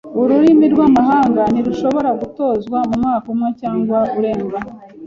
Ururimi rwamahanga ntirushobora gutozwa mumwaka umwe cyangwa urenga.